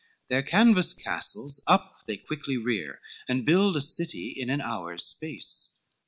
LVII Their canvas castles up they quickly rear, And build a city in an hour's space.